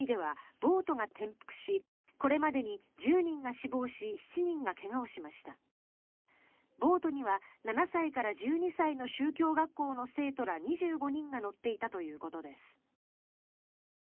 ボートには７歳から１２歳の宗教学校の生徒ら２５人が乗っていたということです。